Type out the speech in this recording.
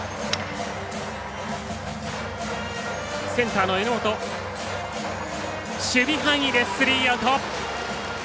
センターの榎本守備範囲でスリーアウト。